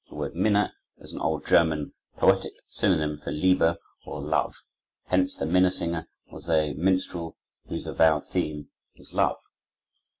The word Minne is an old German, poetic synonym for Liebe, or love. Hence the Minnesinger was a minstrel whose avowed theme was love.